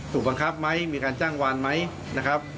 ถูกบังคับไหมมีการจ้างวานไหมนะครับ